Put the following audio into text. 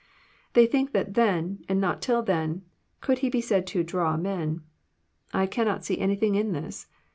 They think that then, and not till then, could He be said to draw " men. I cannot see anything in this.